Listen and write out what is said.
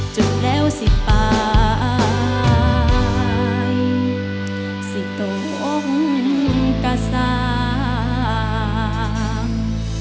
จุดแล้วสิบป่ายสิตุงกสัง